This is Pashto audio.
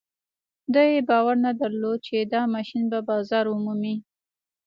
دوی باور نه درلود چې دا ماشين به بازار ومومي.